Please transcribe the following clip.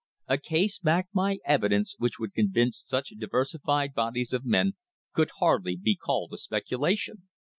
A case backed by evidence which would convince such diversified bodies of men could hardly be called a speculation.